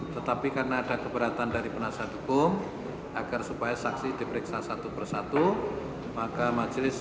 tetapi karena ada keberatan dari penasihat hukum agar supaya saksi diperiksa satu persatu maka majelis